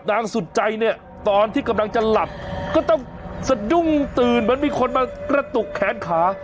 สุดใจเนี่ยตอนที่กำลังจะหลับก็ต้องสะดุ้งตื่นเหมือนมีคนมากระตุกแขนขา